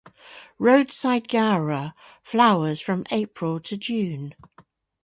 Roadside gaura flowers from April to June.